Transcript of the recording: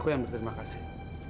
aku yang berterima kasih